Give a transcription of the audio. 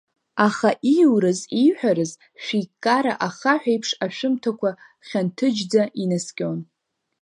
Аха ииурыз ииҳәарыз шәиккара, ахахә еиԥш, ашәымҭақәа хьанҭыџьӡа инаскьон.